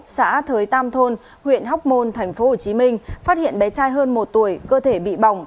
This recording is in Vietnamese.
xã thới tam thôn huyện hóc môn tp hcm phát hiện bé trai hơn một tuổi cơ thể bị bỏng